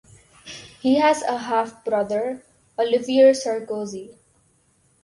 He has a half-brother, Olivier Sarkozy.